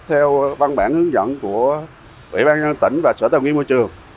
theo văn bản hướng dẫn của ủy ban nhân tỉnh và sở tàu nghiên môi trường